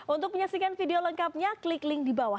untuk menyaksikan video lengkapnya klik link di bawah